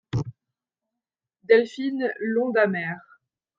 Delphine L'onde amère !